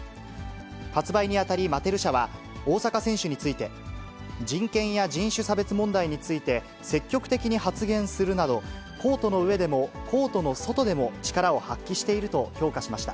発売にあたりマテル社は、大坂選手について、人権や人種差別問題について、積極的に発言するなど、コートの上でもコートの外でも力を発揮していると評価しました。